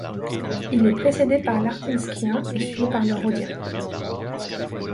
Il est précédé par l'Artinskien et suivi par le Roadien.